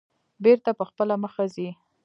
بېرته په خپله مخه ځي.